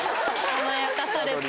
甘やかされて。